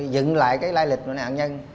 dựng lại cái lai lịch nội nạn nhân